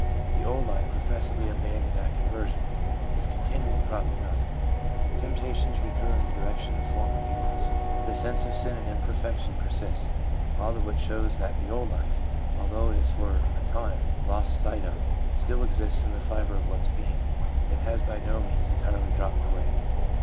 The old Hfej professedly abandoned at conversion, is continually cropping up ; temptations recur in the direction of former evils ; the sense of sin and imperfection persists — all of which shows that the old life, although it is for a time lost sight of, still exists in the fibre of one's being, and has by no means entirely dropped away.